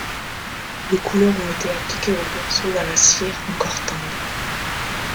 Les couleurs ont été appliquées au pinceau, dans la cire encore tendre.